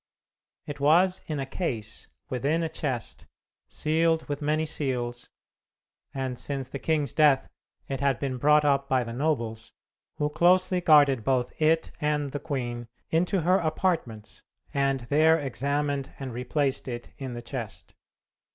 It was in a case, within a chest, sealed with many seals, and since the king's death, it had been brought up by the nobles, who closely guarded both it and the queen, into her apartments, and there examined and replaced it in the chest.